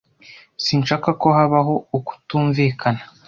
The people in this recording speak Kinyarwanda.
Sinshaka ko habaho ukutumvikana.